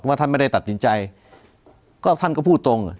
ท่านไม่ได้ตัดสินใจก็ท่านก็พูดตรง